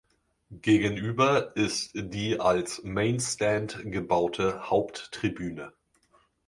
Gegenüber ist die als "Main Stand" gebaute Haupttribüne.